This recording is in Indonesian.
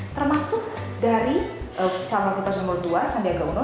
termasuk dari cawa prasumur ii sandiaga uno